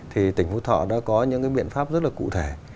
thì tỉnh phú thọ đã có những cái biện pháp rất là cụ thể